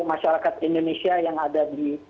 masyarakat indonesia yang ada